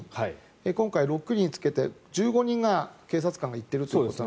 今回、６人つけて１５人警察官が行っているということなので。